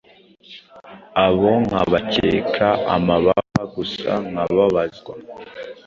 abo nkabakeka amababa. Gusa nkababazwa